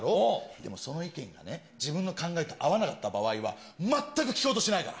でもその意見がね、自分の考えと合わなかった場合は、全く聞こうとしないから。